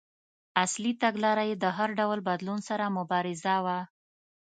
اصلي تګلاره یې د هر ډول بدلون سره مبارزه وه.